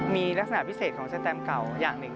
มีลักษณะพิเศษของสแตมเก่าอย่างหนึ่ง